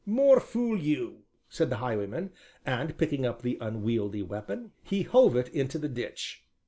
"More fool you!" said the highwayman, and, picking up the unwieldy weapon, he hove it into the ditch.